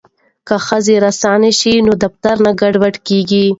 که ښځې ریسانې شي نو دفتر نه ګډوډیږي.